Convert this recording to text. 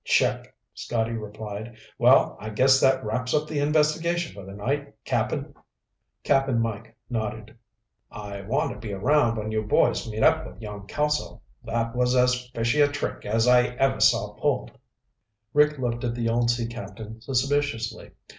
"Check," Scotty replied. "Well, I guess that wraps up the investigation for the night, Cap'n." Cap'n Mike nodded. "I want to be around when you boys meet up with young Kelso. That was as fishy a trick as I ever saw pulled." Rick looked at the old sea captain suspiciously.